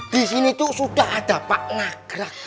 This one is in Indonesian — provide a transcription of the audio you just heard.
di sini tuh sudah ada pak nagrak